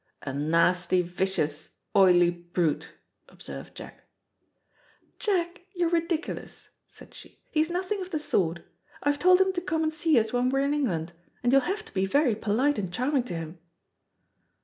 "A nasty, vicious, oily brute," observed Jack. "Jack, you're ridiculous," said she; "he's nothing of the sort. I've told him to come and see us when we're in England, and you'll have to be very polite and charming to him."